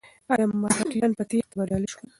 ایا مرهټیان په تېښته بریالي شول؟